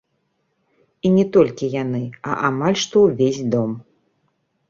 І не толькі яны, а амаль што ўвесь дом.